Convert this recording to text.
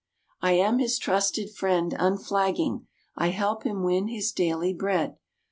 "I am his trusted friend. Unflagging, I help him win his daily bread.